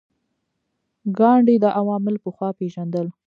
ګاندي دا عوامل پخوا پېژندل.